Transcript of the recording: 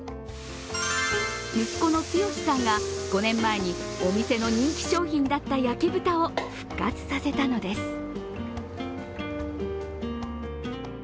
息子の剛さんが５年前にお店の人気商品だった焼豚を復活させたのです。